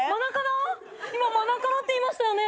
今マナカナって言いましたよね？